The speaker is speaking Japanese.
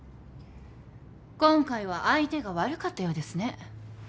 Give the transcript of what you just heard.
今回は相手が悪かったようですね。